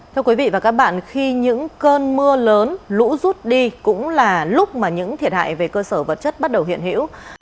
thưa quý vị và các bạn khi những cơn mưa lớn lũ rút đi cũng là lúc mà những thiệt hại về cơ sở vật chất bắt đầu hiện hữu